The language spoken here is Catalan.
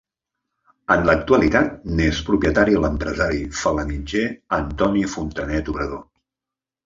En l'actualitat, n'és propietari l'empresari felanitxer Antoni Fontanet Obrador.